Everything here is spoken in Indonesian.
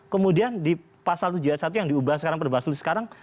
kemudian di pasal tujuh ayat satu yang diubah sekarang perbaslu sekarang